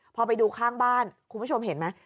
พอไปดูข้างบ้านคุณผู้ชมเห็นไหม